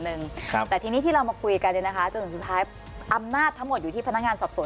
คืออยากให้กลับมาอยู่กับครอบครัว